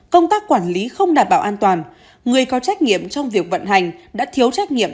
công tác quản lý không đảm bảo an toàn người có trách nhiệm trong việc vận hành đã thiếu trách nhiệm